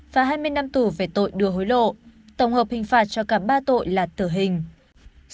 và hai mươi năm tù về tội đưa hối lộ tổng hợp hình phạt cho cả ba tội là tử hình